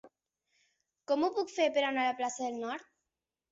Com ho puc fer per anar a la plaça del Nord?